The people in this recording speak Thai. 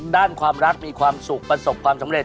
ด้านความรักมีความสุขประสบความสำเร็